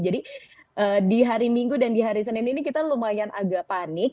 jadi di hari minggu dan di hari senin ini kita lumayan agak panik